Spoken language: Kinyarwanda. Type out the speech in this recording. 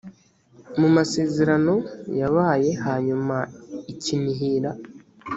mu masezerano yabaye hanyuma i kinihira